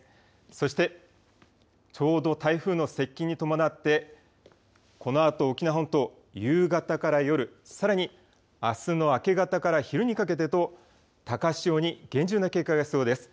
そしてちょうど台風の接近に伴ってこのあと沖縄本島、夕方から夜、さらにあすの明け方から昼にかけてと高潮に厳重な警戒が必要です。